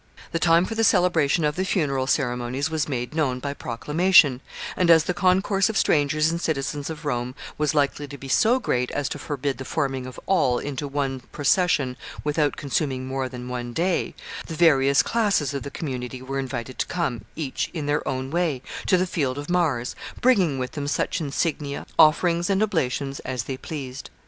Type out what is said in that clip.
] The time for the celebration of the funeral ceremonies was made known by proclamation, and, as the concourse of strangers and citizens of Rome was likely to be so great as to forbid the forming of all into one procession without consuming more than one day, the various classes of the community were invited to come, each in their own way, to the Field of Mars, bringing with them such insignia, offerings, and oblations as they pleased.